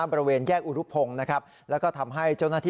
บริเวณแยกอุรุพงศ์นะครับแล้วก็ทำให้เจ้าหน้าที่